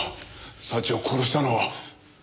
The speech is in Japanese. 早智を殺したのは。